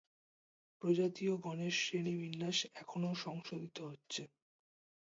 প্রজাতি ও গণের শ্রেণিবিন্যাস এখনও সংশোধিত হচ্ছে।